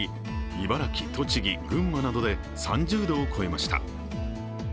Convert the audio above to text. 茨城、栃木、群馬などで３０度を超えました。